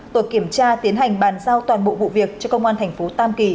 tổ kiểm tra tiến hành bàn giao toàn bộ vụ việc cho công an tp tam kỳ